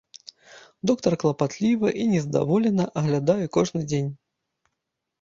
Доктар клапатліва і нездаволена аглядае кожны дзень.